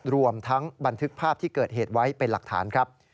รวมทั้งบันทึกภาพที่เกิดเหตุไว้เป็นหลักฐานครับ